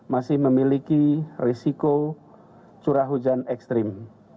masih memiliki risiko curah hujan ekstrim